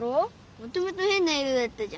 もともとへんな色だったじゃん。